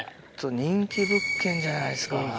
人気物件じゃないですか。